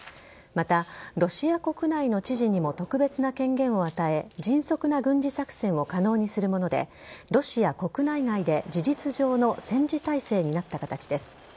また、ロシア国内の知事にも特別な権限を与え迅速な軍事作戦を可能にするものでロシア国内外で事実上の戦時体制になった形です。